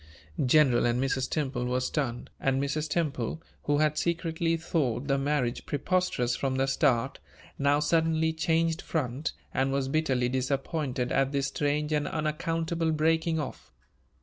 General and Mrs. Temple were stunned; and Mrs. Temple, who had secretly thought the marriage preposterous from the start, now suddenly changed front, and was bitterly disappointed at this strange and unaccountable breaking off.